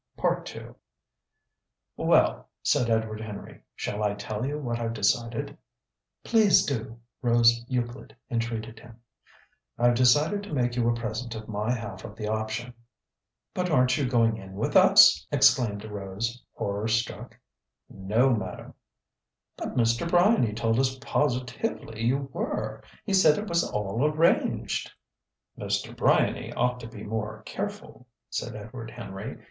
II. "Well," said Edward Henry, "shall I tell you what I've decided?" "Please do!" Rose Euclid entreated him. "I've decided to make you a present of my half of the option." "But aren't you going in with us?" exclaimed Rose, horror struck. "No, madam." "But Mr. Bryany told us positively you were! He said it was all arranged!" "Mr. Bryany ought to be more careful," said Edward Henry.